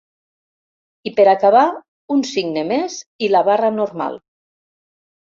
I per acabar, un signe més i la barra normal.